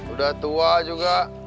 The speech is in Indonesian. udah tua juga